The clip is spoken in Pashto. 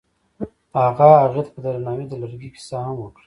هغه هغې ته په درناوي د لرګی کیسه هم وکړه.